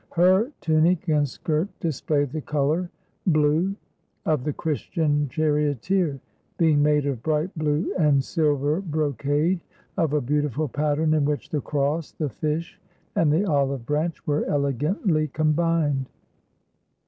Her tunic and skirt displayed the color — blue — of the Christian charioteer, being made of bright blue and silver brocade of a beautiful pattern in which the cross, the fish, and the olive branch were elegantly combined.